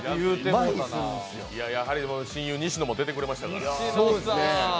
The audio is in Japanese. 親友・西野も出てくれましたから。